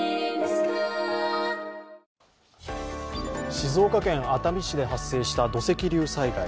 静岡県熱海市で発生した土石流災害。